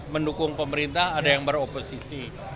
mendukung pemerintah ada yang beroposisi